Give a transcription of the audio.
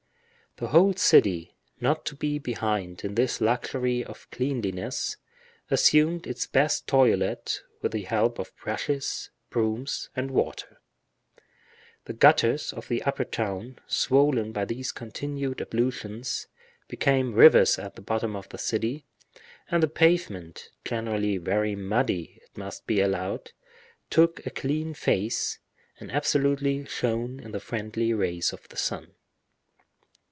The whole city, not to be behind in this luxury of cleanliness, assumed its best toilette with the help of brushes, brooms, and water. The gutters of the upper town, swollen by these continued ablutions, became rivers at the bottom of the city, and the pavement, generally very muddy, it must be allowed, took a clean face, and absolutely shone in the friendly rays of the sun.